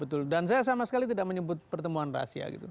betul dan saya sama sekali tidak menyebut pertemuan rahasia gitu